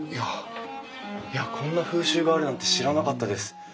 いやこんな風習があるなんて知らなかったです。